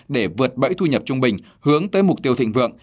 để vượt bẫy thu nhập trung bình hướng tới mục tiêu thịnh vượng